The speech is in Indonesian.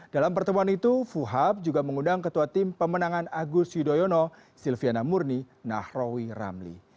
dalam pertemuan itu fuhab juga mengundang ketua tim pemenangan agus yudhoyono silviana murni nahrawi ramli